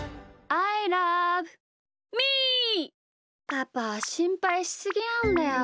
パパしんぱいしすぎなんだよ。